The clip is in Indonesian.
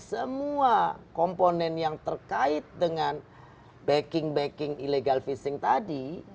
semua komponen yang terkait dengan backing backing illegal fishing tadi